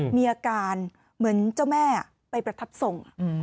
มีอาการเหมือนเจ้าแม่ไปประทับทรง